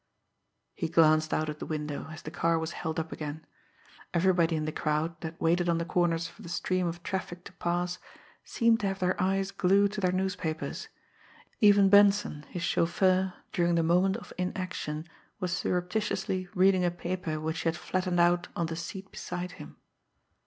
He glanced out of the window, as the car was held up again. Everybody in the crowd, that waited on the corners for the stream of traffic to pass, seemed to have their eyes glued to their newspapers even Benson, his chauffeur, during the moment of inaction, was surreptitiously reading a paper which he had flattened out on the seat beside him!